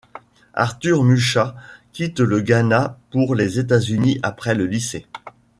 Arthur Musah quitte le Ghana pour les États-Unis après le lycée.